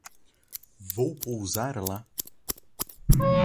Vou pousar lá